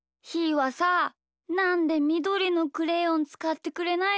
はさなんでみどりのクレヨンつかってくれないの？